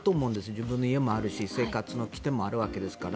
自分の家もあるし生活の基点もあるわけですから。